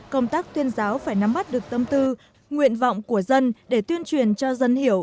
công tác tuyên giáo phải nắm bắt được tâm tư nguyện vọng của dân để tuyên truyền cho dân hiểu